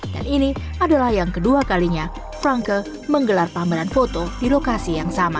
dan ini adalah yang kedua kalinya franke menggelar pameran foto di lokasi yang sama